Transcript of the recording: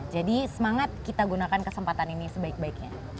jadi semangat kita gunakan kesempatan ini sebaik baiknya